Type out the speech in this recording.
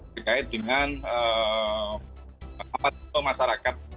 berkait dengan masyarakat